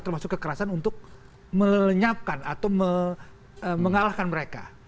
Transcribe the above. termasuk kekerasan untuk melenyapkan atau mengalahkan mereka